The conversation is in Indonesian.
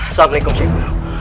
assalamualaikum sheikh buruh